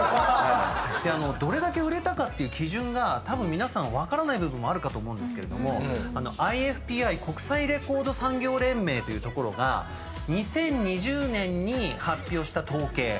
どれだけ売れたかという基準がたぶん分からない部分もあるかと思うんですけれどもＩＦＰＩ国際レコード産業連盟という所が２０２０年に発表した統計。